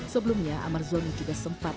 sebelumnya amar zoni juga sempat